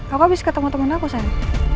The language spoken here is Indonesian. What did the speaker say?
aku habis ketemu temen aku saya